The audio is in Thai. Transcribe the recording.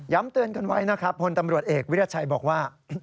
เตือนกันไว้นะครับพลตำรวจเอกวิรัชัยบอกว่า